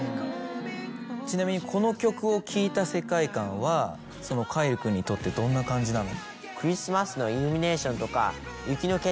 ちなみにこの曲を聴いた世界観は凱成君にとってどんな感じなの？